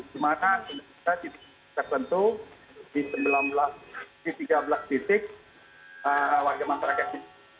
di mana titik tertentu di tiga belas titik warga masyarakat